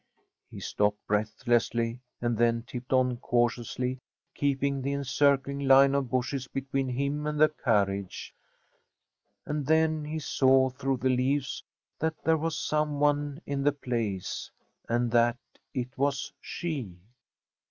He stopped breathlessly, and then tipped on cautiously, keeping the encircling line of bushes between him and the carriage. And then he saw through the leaves that there was some one in the place, and that it was she.